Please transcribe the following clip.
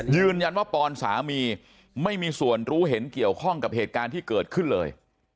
ยืนยันว่าปอนสามีไม่มีส่วนรู้เห็นเกี่ยวข้องกับเหตุการณ์ที่เกิดขึ้นเลย